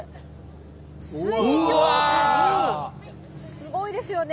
すごいですよね。